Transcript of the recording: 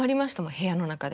部屋の中で。